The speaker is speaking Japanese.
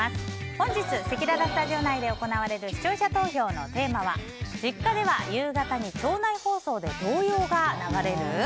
本日せきららスタジオ内で行われる視聴者投票のテーマは実家では夕方に町内放送で童謡が流れる？